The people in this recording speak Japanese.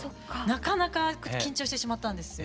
なかなか緊張してしまったんですよ。